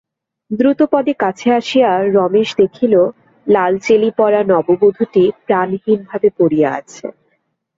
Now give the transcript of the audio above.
দ্রুতপদে কাছে আসিয়া রমেশ দেখিল, লাল-চেলি পরা নববধূটি প্রাণহীনভাবে পড়িয়া আছে।